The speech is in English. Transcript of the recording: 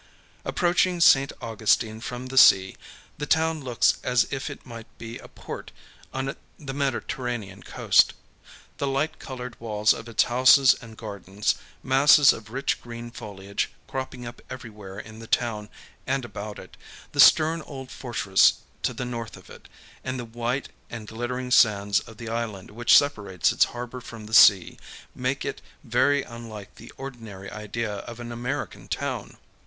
Approaching St. Augustine from the sea, the town looks as if it might be a port on the Mediterranean coast. The light colored walls of its houses and gardens, masses of rich green foliage cropping up everywhere in the town and about it, the stern old fortress to the north of it, and the white and glittering sands of the island which separates its harbor from the sea, make it very unlike the ordinary idea of an American town.